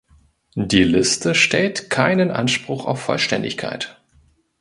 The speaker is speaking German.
Die Liste stellt keinen Anspruch auf Vollständigkeit.